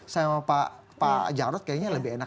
sama pak jarod kayaknya lebih enak